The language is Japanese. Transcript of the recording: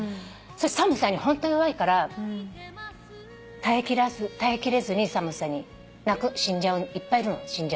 寒さにホント弱いから耐えきれずに寒さに死んじゃういっぱいいるの。